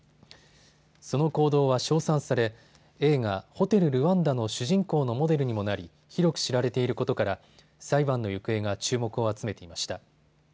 その行動は称賛され映画、ホテル・ルワンダの主人公のモデルにもなり広く知られていることから裁判の行方が注目を集めていました。